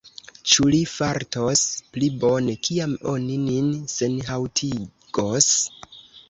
Ĉu li fartos pli bone, kiam oni nin senhaŭtigos?